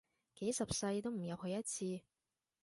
幾十世都唔入去一次